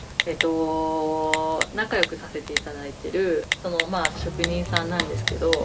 えと仲良くさせて頂いてるまあ職人さんなんですけど。